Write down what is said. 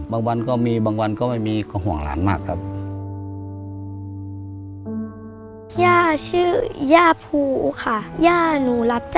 วันก็มีบางวันก็ไม่มีก็ห่วงหลานมากครับ